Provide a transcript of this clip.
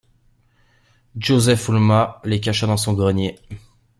Józef Ulma les cacha dans son grenier.